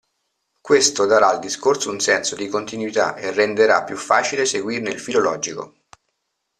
Questo darà al discorso un senso di continuità e renderà più facile seguirne il filo logico.